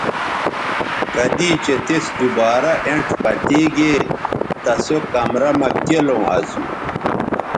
کدی چہء تِس دوبارہ اینڇ پتے گے تہ سو کمرہ مہ کیلوں اسو